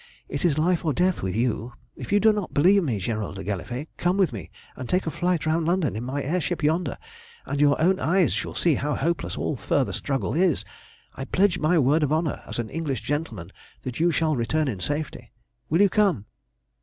It is life or death with you. If you do not believe me, General le Gallifet, come with me and take a flight round London in my air ship yonder, and your own eyes shall see how hopeless all further struggle is. I pledge my word of honour as an English gentleman that you shall return in safety. Will you come?"